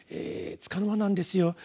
束の間なんですよ。